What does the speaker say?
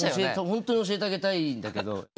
ホントに教えてあげたいんだけど。